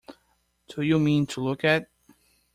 Do you mean to look at?